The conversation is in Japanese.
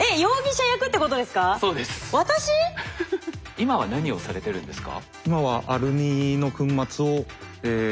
今は何をされてるんですか？